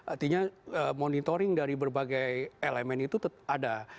artinya monitoring dari berbagai elemen itu ada